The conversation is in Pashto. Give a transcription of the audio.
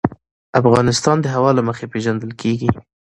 افغانستان د هوا له مخې پېژندل کېږي.